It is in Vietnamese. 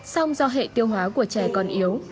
xong do hệ tiêu hóa của trẻ còn yếu